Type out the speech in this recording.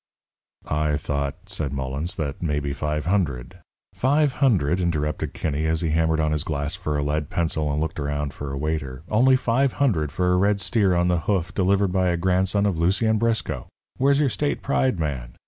"I thought," said Mullens, "that maybe five hundred " "Five hundred!" interrupted Kinney, as he hammered on his glass for a lead pencil and looked around for a waiter. "Only five hundred for a red steer on the hoof delivered by a grandson of Lucien Briscoe! Where's your state pride, man?